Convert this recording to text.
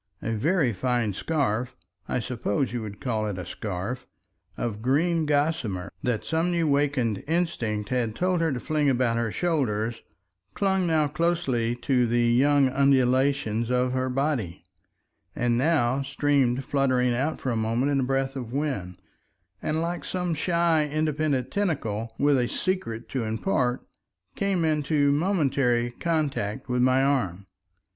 A very fine scarf—I suppose you would call it a scarf—of green gossamer, that some new wakened instinct had told her to fling about her shoulders, clung now closely to the young undulations of her body, and now streamed fluttering out for a moment in a breath of wind, and like some shy independent tentacle with a secret to impart, came into momentary contact with my arm.